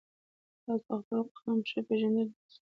تاسو خپل قام ښه پیژندلی یاست.